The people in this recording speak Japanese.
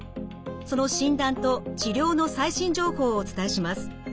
その診断と治療の最新情報をお伝えします。